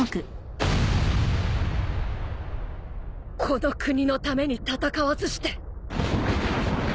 この国のために戦わずして。